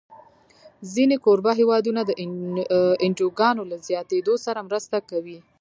ځینې کوربه هېوادونه د انجوګانو له زیاتېدو سره مرسته کوي.